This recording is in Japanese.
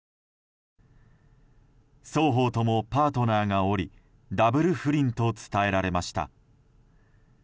双方ともパートナーがおりダブル不倫と伝えられました。